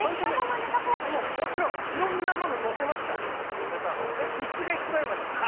載せたの？